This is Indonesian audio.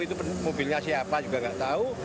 itu mobilnya siapa juga nggak tahu